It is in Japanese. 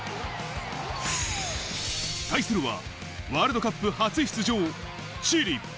対するは、ワールドカップ初出場・チリ。